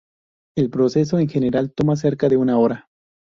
El proceso en general toma cerca de una hora.